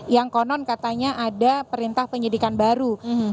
yang konon katanya ada perintah penyidikan baru